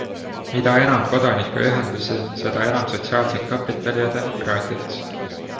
Mida enam kodanikuühendusi, seda enam sotsiaalset kapitali ja demokraatiat.